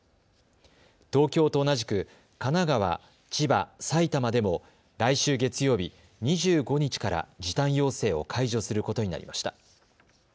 東京と同じく神奈川、千葉、埼玉でも来週月曜日、２５日から時短要請を解除することになりました。